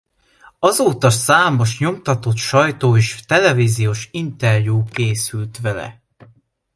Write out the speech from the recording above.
Azóta számos nyomtatott sajtó- és televíziós interjú készült vele.